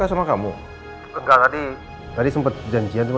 kita keabok edisi pengajian pak